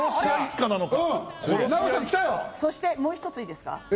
そしてもう一ついいですか？